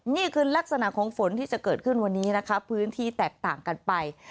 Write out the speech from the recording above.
นี่คือลักษณะของฝนที่จะเกิดขึ้นวันนี้นะคะพื้นที่แตกต่างกันไป